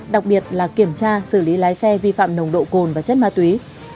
đặc biệt là kiểm tra xử lý lái xe vi phạm nồng độ cồn và chất ma túy